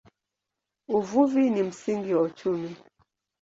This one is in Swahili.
Uvuvi ni msingi wa uchumi.